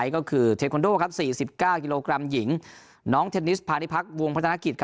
ก็คือเทคอนโด๔๙กิโลกรัมหญิงน้องเทนนิสพาณิพักษ์วงพัฒนากิจ